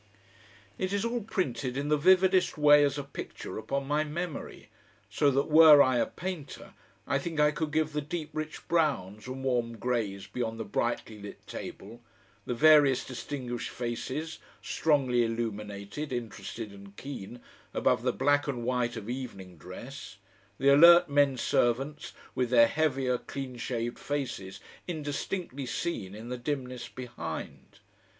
It is all printed in the vividest way as a picture upon my memory, so that were I a painter I think I could give the deep rich browns and warm greys beyond the brightly lit table, the various distinguished faces, strongly illuminated, interested and keen, above the black and white of evening dress, the alert menservants with their heavier, clean shaved faces indistinctly seen in the dimness behind.